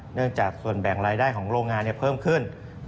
จากส่วนแบ่งรายได้ของโรงงานเพิ่มขึ้น